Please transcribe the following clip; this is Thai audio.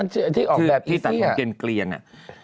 นั่นที่ออกแบบอีซี่อ่ะที่ตัดของเกลียนอ่ะ